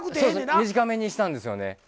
そう短めにしたんですよね。